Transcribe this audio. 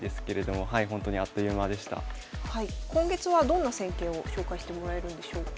今月はどんな戦型を紹介してもらえるんでしょうか。